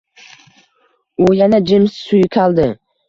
U yana jim suykaldi.